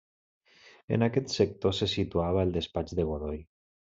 En aquest sector se situava el despatx de Godoy.